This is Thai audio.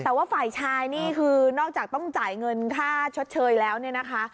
แต่ว่าฝ่ายชายนี่คือนอกจากต้องจ่ายเงินค่าชดเชยแล้วเนี่ยนะคะ